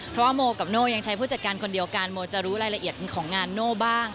เพราะว่าโมกับโน่ยังใช้ผู้จัดการคนเดียวกันโมจะรู้รายละเอียดของงานโน่บ้าง